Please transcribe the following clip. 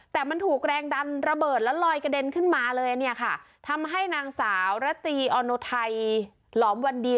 แต่มันถูกแรงดันระเบิดแล้วลอยกระเด็นขึ้นมาเลยเนี่ยค่ะทำให้นางสาวระตีออโนไทยหลอมวันดี